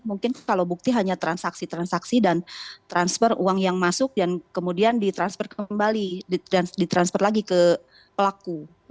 mungkin kalau bukti hanya transaksi transaksi dan transfer uang yang masuk dan kemudian ditransfer kembali dan ditransfer lagi ke pelaku